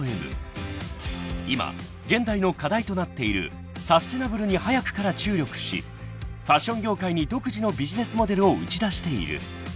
［今現代の課題となっているサステナブルに早くから注力しファッション業界に独自のビジネスモデルを打ち出している］